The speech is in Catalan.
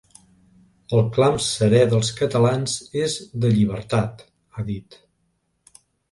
El clam serè dels catalans és de llibertat, ha dit.